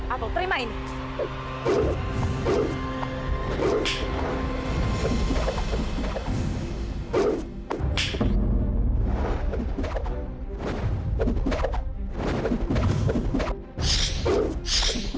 atau terima ini